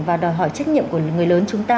và đòi hỏi trách nhiệm của người lớn chúng ta